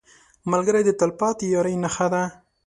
ملګری د تلپاتې یارۍ نښه ده